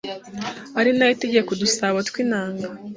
Ari nayo itegeka udusabo tw’intanga